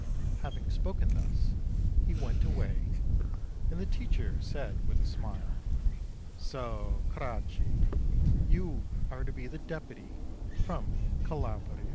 Having spoken thus, he went away, and the teacher said, with a smile, "So, Coraci, you are to be the deputy from Calabria."